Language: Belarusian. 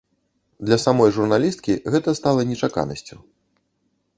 Для самой журналісткі гэта стала нечаканасцю.